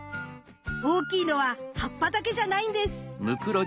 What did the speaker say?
大きいのは葉っぱだけじゃないんです。